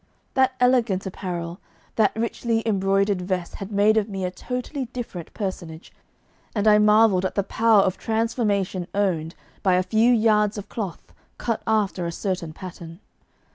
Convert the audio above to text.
That elegant apparel, that richly embroidered vest had made of me a totally different personage, and I marvelled at the power of transformation owned by a few yards of cloth cut after a certain pattern.